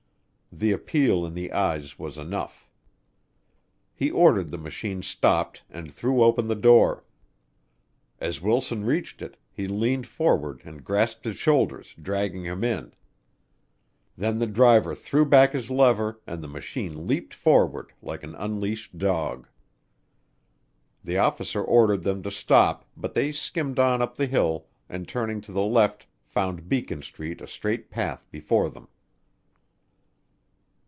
The appeal in the eyes was enough. He ordered the machine stopped and threw open the door. As Wilson reached it, he leaned forward and grasped his shoulders, dragging him in. Then the driver threw back his lever and the machine leaped forward like an unleashed dog. The officer ordered them to stop, but they skimmed on up the hill and turning to the left found Beacon Street a straight path before them.